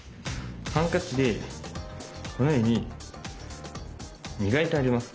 ハンカチでこのように磨いてあげます。